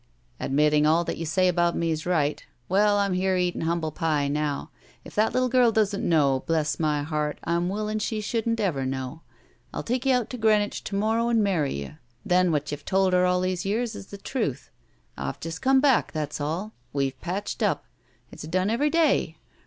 "Admitting all that you say about me is right. Well, I'm here eating humble pie now. If that little girl doesn't know, bless my heart, I'm willin' she shouldn't ever know. I'll take you out to Green wich to morrow and marry you. Then what you've told her all these years is the truth, I've just come back, that's all. We've patched up. It's done every day.